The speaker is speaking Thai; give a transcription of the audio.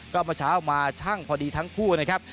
ก็เมื่อเช้ามาช่างพอดีทั้งคู่นะครับ